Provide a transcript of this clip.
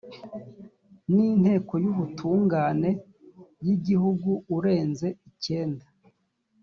n inteko y ubutungane y igihugu urenze icyenda